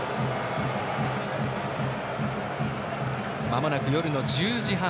まもなく夜の１０時半。